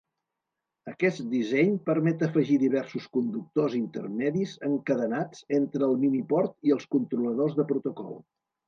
Aquest disseny permet afegir diversos conductors intermedis encadenats entre el miniport i els controladors de protocol.